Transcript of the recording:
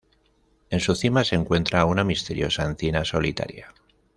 En su cima se encuentra una misteriosa encina solitaria.